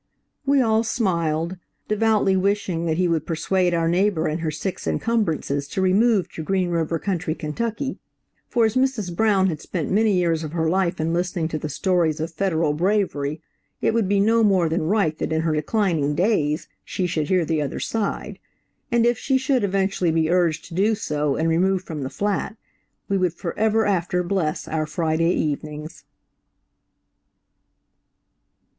We all smiled, devoutly wishing that he would persuade our neighbor and her six incumbrances to remove to Green River country, Kentucky, for as Mrs. Brown had spent many years of her life in listening to the stories of Federal bravery, it would be no more than right that in her declining days she should hear the other side, and if she should eventually be urged to do so and remove from the flat, we would forever after bless our Friday evenings.